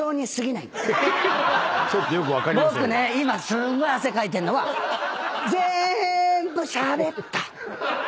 僕ね今すんごい汗かいてんのはぜーんぶしゃべった。